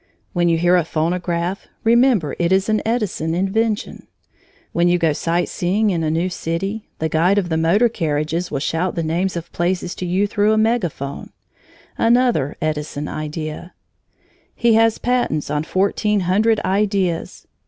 When you hear a phonograph, remember it is an Edison invention; when you go sight seeing in a new city, the guide of the motor carriages will shout the names of places to you through a megaphone, another Edison idea. He has patents on fourteen hundred ideas.